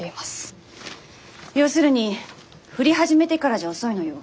要するに降り始めてからじゃ遅いのよ。